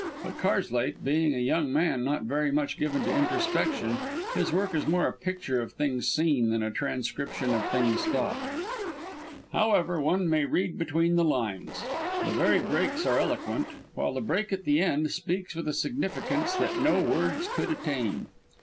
But Karslake, being a young man not very much given to introspection, his work is more a picture of things seen than a transcription of things thought. However, one may read between the lines; the very breaks are eloquent, while the break at the end speaks with a significance that no words could attain.